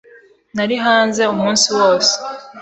Nari hanze umunsi wose.